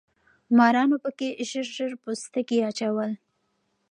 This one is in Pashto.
مارانو پکې ژر ژر پوستکي اچول.